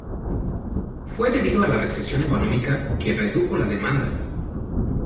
Fue debido a la recesión económica, que redujo la demanda.